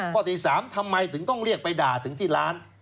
ข้อที่๓ทำไมถึงต้องเรียกไปด่าถึงที่ร้าน